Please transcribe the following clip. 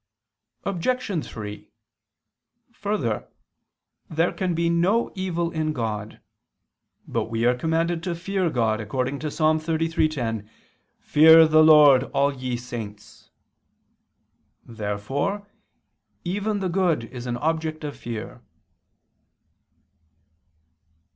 Obj. 3: Further, there can be no evil in God. But we are commanded to fear God, according to Ps. 33:10: "Fear the Lord, all ye saints." Therefore even the good is an object of fear.